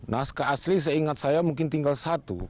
naskah asli seingat saya mungkin tinggal satu